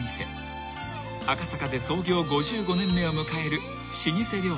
［赤坂で創業５５年目を迎える老舗］